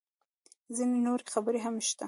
_ځينې نورې خبرې هم شته.